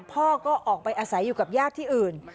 พ่อก็ออกไปอาศัยอยู่กับญาติที่อื่น